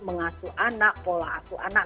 mengasuh anak pola asuh anak